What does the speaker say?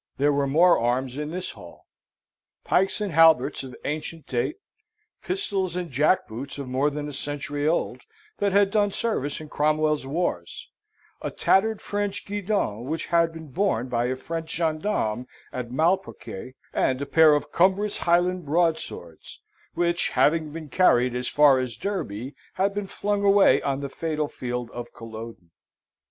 There were more arms in this hall pikes and halberts of ancient date, pistols and jack boots of more than a century old, that had done service in Cromwell's wars, a tattered French guidon which had been borne by a French gendarme at Malplaquet, and a pair of cumbrous Highland broadswords, which, having been carried as far as Derby, had been flung away on the fatal field of Culloden.